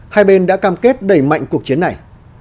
hai bên đã cam kết đẩy mạnh cuộc chiến này